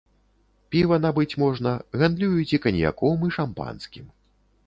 Піва набыць можна, гандлююць і каньяком, і шампанскім.